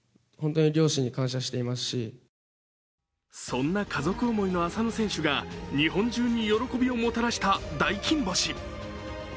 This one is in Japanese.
そんな家族思いの浅野選手が日本中に喜びをもたらした大金星。